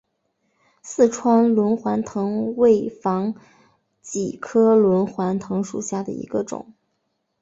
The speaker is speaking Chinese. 四川轮环藤为防己科轮环藤属下的一个种。